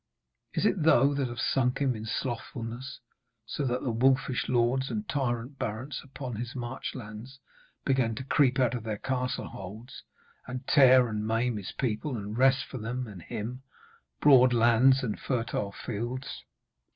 Is it thou that hath sunk him in slothfulness, so that the wolfish lords and tyrant barons upon his marchlands begin to creep out of their castleholds, and tear and maim his people and wrest from them and him broad lands and fertile fields?'